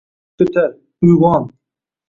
Bosh ko’tar, uyg’on!